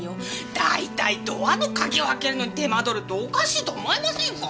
大体ドアの鍵を開けるのに手間取るっておかしいと思いませんか？